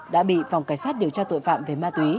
đã bị phòng cảnh sát điều tra tội phạm về ma túy